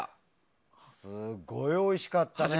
すごいおいしかったね。